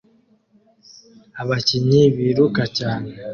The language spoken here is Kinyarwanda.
Abakinnyi biruka cyane